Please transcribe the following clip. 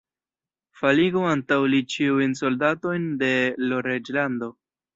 Faligu antaŭ li ĉiujn soldatojn de l' reĝlando!